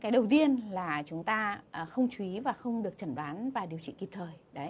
đầu tiên là chúng ta không chú ý và không được chẩn đoán và điều trị kịp thời